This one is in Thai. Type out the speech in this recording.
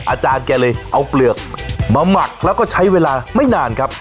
อาจารย์แกเลยเอาเปลือกมาหมักแล้วก็ใช้เวลาไม่นานครับ